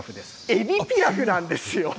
エビピラフなんですよ。